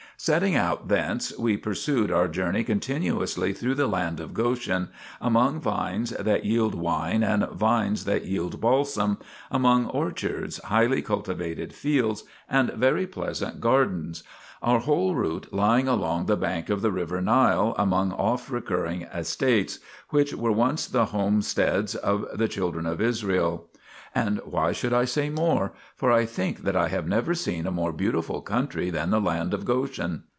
Setting out thence we pursued our journey continuously through the land of Goshen, among vines that yield wine and vines that yield balsam, among orchards, highly cultivated fields and very pleasant gardens, our whole route lying along the bank of the river Nile among oft recurring estates, which were once the homesteads of the children of Israel. And why should I say more ? for I think that I have never seen a more beautiful country than the land of Goshen.